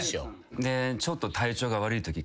ちょっと体調が悪いとき